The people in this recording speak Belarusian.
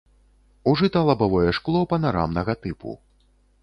Ужыта лабавое шкло панарамнага тыпу.